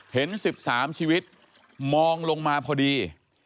เห็น๑๓ชีวิตมองลงมาพอดี